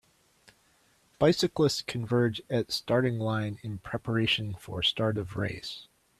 Bicyclist converge at starting line in preparation for start of race.